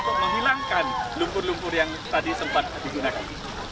untuk menghilangkan lumpur lumpur yang tadi sempat digunakan